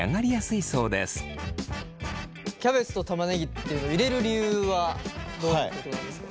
キャベツと玉ねぎっていうのを入れる理由はどういうことなんですか？